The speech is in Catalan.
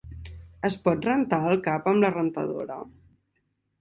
Es pot rentar el cap amb la rentadora?